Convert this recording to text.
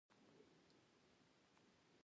څومره پولرايزېشن چې مذهبي انتها پسند خلک جوړوي